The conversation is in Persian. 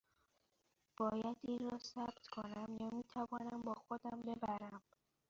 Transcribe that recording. باید این را ثبت کنم یا می توانم با خودم ببرم؟